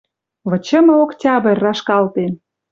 Вычымы Октябрь рашкалтен!